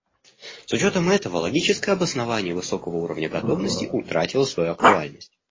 С учетом этого логическое обоснование высокого уровня готовности утратило свою актуальность.